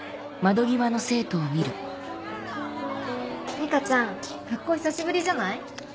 ニカちゃん学校久しぶりじゃない？